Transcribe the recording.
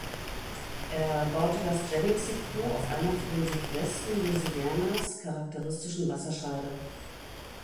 Er baute das Jennings Depot auf einer für den Südwesten Louisianas charakteristischen Wasserscheide.